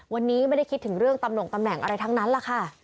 วันนี้ไม่ได้คิดถึงเรื่องตำหน่งตำแหน่งอะไรทั้งนั้นแหละค่ะ